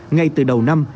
ngay từ đầu năm